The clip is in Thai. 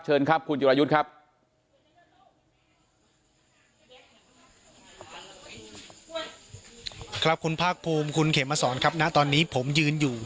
ปกติพี่สาวเราเนี่ยครับเป็นคนเชี่ยวชาญในเส้นทางป่าทางนี้อยู่แล้วหรือเปล่าครับ